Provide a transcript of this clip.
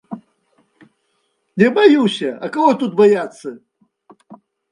Не баюся, а каго тут баяцца?